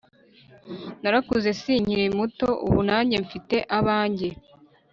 narakuze sinkiri muto ubu nanjye mfite abanjye